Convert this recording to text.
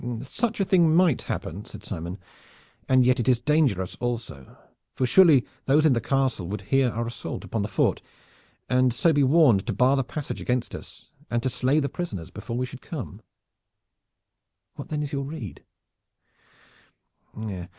"Such a thing might happen," said Simon, "and yet it is dangerous also, for surely those in the castle would hear our assault upon the fort and so be warned to bar the passage against us, and to slay the prisoners before we could come." "What then is your rede?"